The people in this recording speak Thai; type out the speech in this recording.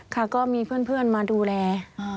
ค่ะก็มีเพื่อนมาดูแล